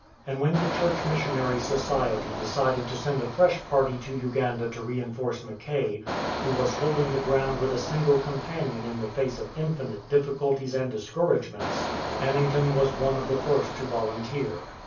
And when the Church Missionary Society decided to send a fresh party to Uganda to reinforce Mackay, who was holding the ground with a single companion in the face of infinite difficulties and discouragements, Banning ton was one of the first to volunteer.